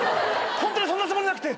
ホントにそんなつもりなくて。